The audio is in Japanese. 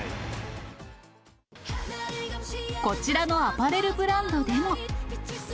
こちらのアパレルブランドでも。